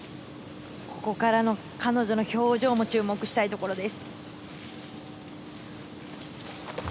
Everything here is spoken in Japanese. ここからの彼女の表情も注目したいところです。